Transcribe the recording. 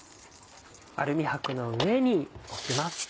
アルミ箔の上に置きます。